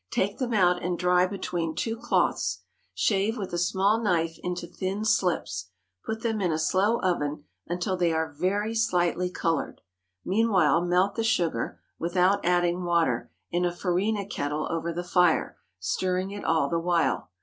Take them out and dry between two cloths. Shave with a small knife into thin slips. Put them into a slow oven until they are very slightly colored. Meanwhile, melt the sugar—without adding water—in a farina kettle over the fire, stirring it all the while.